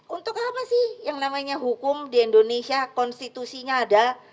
untuk apa sih yang namanya hukum di indonesia konstitusinya ada